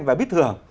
và bíp thường